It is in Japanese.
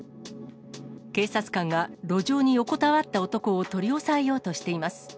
警察官が路上に横たわった男を取り押さえようとしています。